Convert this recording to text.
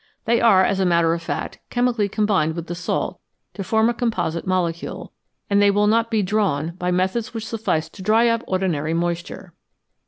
They are, as a matter of fact, chemically combined with the salt to form a composite molecule, and they will not be drawn by methods which suffice to dry up ordinary moisture.